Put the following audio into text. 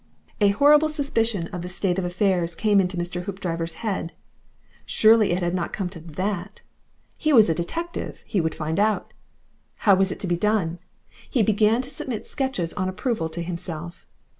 A horrible suspicion of the state of affairs came into Mr. Hoopdriver's head. Surely it had not come to THAT. He was a detective! he would find out. How was it to be done? He began to submit sketches on approval to himself.